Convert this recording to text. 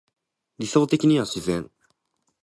理想的には自然